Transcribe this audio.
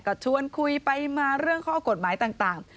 ก็ชวนคุยไปมาเรื่องข้อกฎหมายต่าง